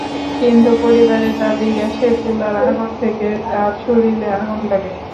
কিন্তু পরিবারের দাবি, গ্যাসের চুলার আগুন থেকে তার শরীরে আগুন লাগে।